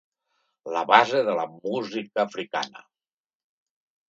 La base de la música africana.